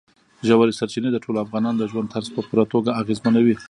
ژورې سرچینې د ټولو افغانانو د ژوند طرز په پوره توګه اغېزمنوي.